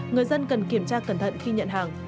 người dân cần kiểm tra cẩn thận khi nhận hàng